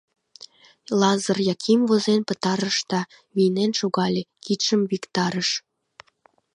Лазыр Яким возен пытарыш да вийнен шогале, кидшым виктарыш.